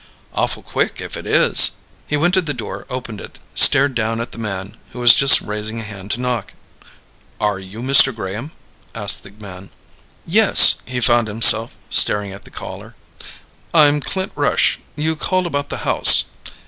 "Awful quick, if it is." He went to the door, opened it, stared down at the man who was just raising a hand to knock. "Are you Mr. Graham?" asked the man. "Yes." He found himself staring at the caller. "I'm Clint Rush. You called about the house?"